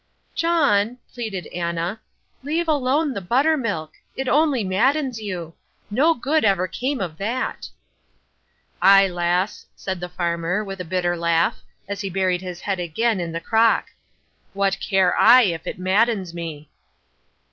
"John," pleaded Anna, "leave alone the buttermilk. It only maddens you. No good ever came of that." "Aye, lass," said the farmer, with a bitter laugh, as he buried his head again in the crock, "what care I if it maddens me."